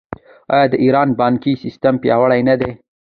آیا د ایران بانکي سیستم پیاوړی نه دی؟